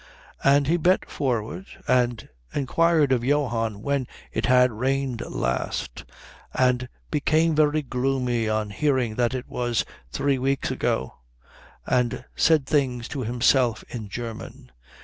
And he bent forward and inquired of Johann when it had rained last, and became very gloomy on hearing that it was three weeks ago, and said things to himself in German.